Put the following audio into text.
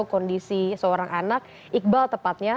kondisi seorang anak iqbal tepatnya